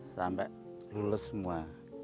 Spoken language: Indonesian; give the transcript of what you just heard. sampai lulus semua